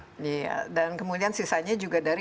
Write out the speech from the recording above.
iya dan kemudian sisanya juga dari